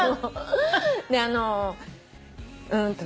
あのうーんとね。